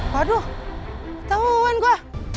waduh tau uang gua